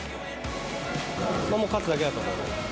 もう勝つだけだと思うので。